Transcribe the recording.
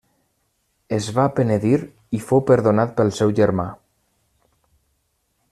Es va penedir i fou perdonat pel seu germà.